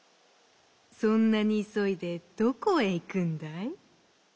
そんなにいそいでどこへいくんだい？」。